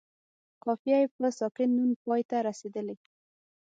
قافیه یې په ساکن نون پای ته رسیدلې.